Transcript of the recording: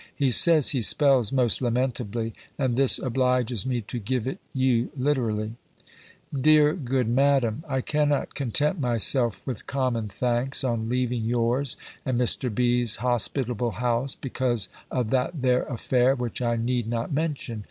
He says, he spells most lamentably; and this obliges me to give it you literally: "DEARE GOOD MADAM, "I cannott contente myself with common thankes, on leaving youres, and Mr. B.'s hospitabel house, because of thatt there affaire, which I neede not mention!